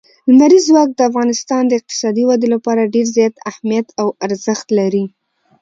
لمریز ځواک د افغانستان د اقتصادي ودې لپاره ډېر زیات اهمیت او ارزښت لري.